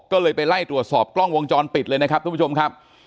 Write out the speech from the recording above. ก็เลยไปไล่ตรวจสอบกล้องวงจรปิดเลยนะครับ